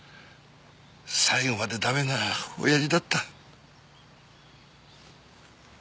最後までダメな親父だった。